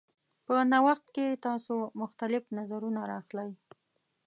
په نوښت کې تاسو مختلف نظرونه راخلئ.